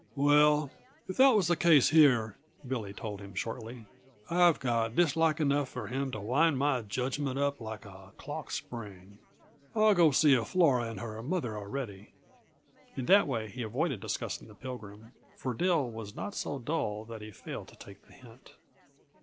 "Well, if that was the case here," Billy told him shortly, "I've got dislike enough for him to wind my judgment up like a clock spring. I'll go see if Flora and her mother are ready." In that way he avoided discussing the Pilgrim, for Dill was not so dull that he failed to take the hint.